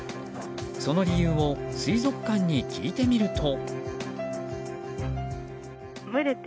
その理由を水族館に聞いてみると。